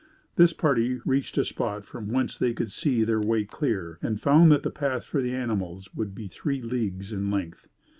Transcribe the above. This party reached a spot from whence they could see their way clear and found that the path for the animals would be three leagues in length.